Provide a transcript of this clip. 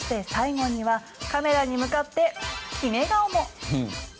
そして、最後にはカメラに向かって決め顔も。